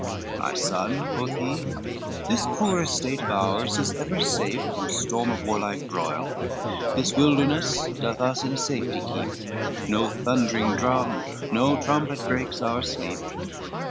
"My son," quoth he, "this poor estate of ours Is ever safe from storm of warlike broil; This wilderness doth us in safety keep, No thundering drum, no trumpet breaks our sleep.